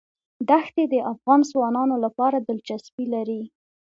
دښتې د افغان ځوانانو لپاره دلچسپي لري.